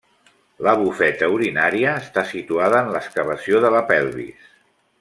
La bufeta urinària està situada en l'excavació de la pelvis.